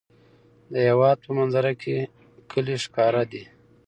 د هېواد په منظره کې کلي ښکاره دي.